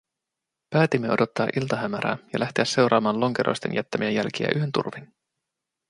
Päätimme odottaa iltahämärää ja lähteä seuraamaan lonkeroisten jättämiä jälkiä yön turvin.